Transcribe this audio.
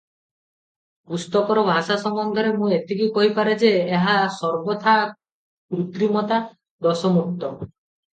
ପୁସ୍ତକର ଭାଷା ସମ୍ବନ୍ଧରେ ମୁଁ ଏତିକି କହିପାରେଁ ଯେ, ଏହା ସର୍ବଥା କୃତ୍ରିମତା ଦୋଷମୁକ୍ତ ।